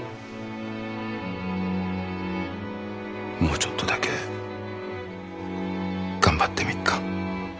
もうちょっとだけ頑張ってみっか。